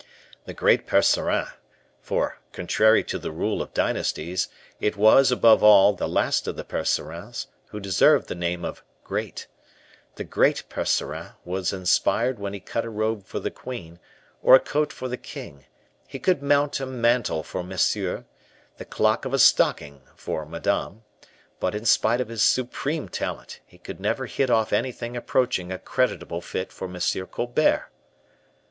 The great Percerin (for, contrary to the rule of dynasties, it was, above all, the last of the Percerins who deserved the name of Great), the great Percerin was inspired when he cut a robe for the queen, or a coat for the king; he could mount a mantle for Monsieur, the clock of a stocking for Madame; but, in spite of his supreme talent, he could never hit off anything approaching a creditable fit for M. Colbert.